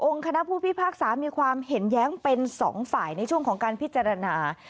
คณะผู้พิพากษามีความเห็นแย้งเป็นสองฝ่ายในช่วงของการพิจารณา